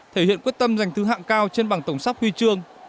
thể hiện quyết tâm giành thứ hạng cao trên bảng tổng sắp huy trương